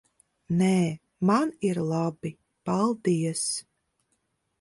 Nē, man ir labi. Paldies.